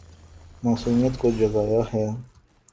معصومیت کو جگایا ہے